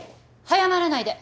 早まらないで！